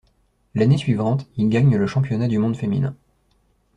L'année suivante, il gagne le Championnat du monde féminin.